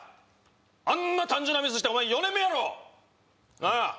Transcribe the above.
あんな単純なミスしてお前４年目やろなんや？